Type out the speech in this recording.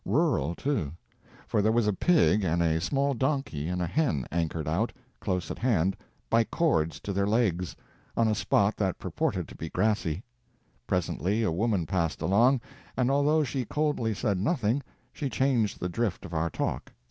Rural, too; for there was a pig and a small donkey and a hen anchored out, close at hand, by cords to their legs, on a spot that purported to be grassy. Presently, a woman passed along, and although she coldly said nothing she changed the drift of our talk.